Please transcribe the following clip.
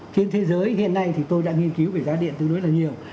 trên thế giới hiện nay thì tôi đã nghiên cứu về giá điện tương đối là nhiều